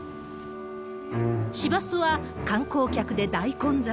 市バスは観光客で大混雑。